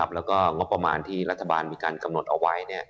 แล้วก็งบประมาณที่รัฐบาลมีการกำหนดเอาไว้